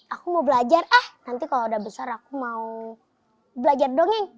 aku mau belajar eh nanti kalau udah besar aku mau belajar dongeng